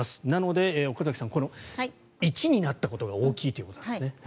なので、岡崎さん１になったことが大きいということですね。